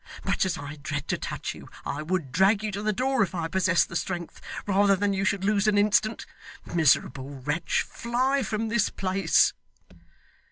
Much as I dread to touch you, I would drag you to the door if I possessed the strength, rather than you should lose an instant. Miserable wretch! fly from this place.